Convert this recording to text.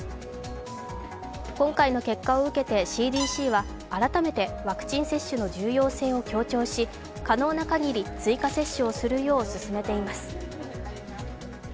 今回の結果を受けてＣＤＣは改めてワクチン接種の重要性を強調し、可能なかぎり追加接種をするようすすめています。